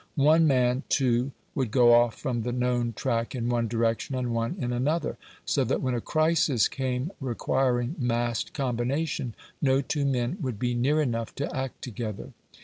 One man, too, would go off from the known track in one direction, and one in another; so that when a crisis came requiring massed combination, no two men would be near enough to act together.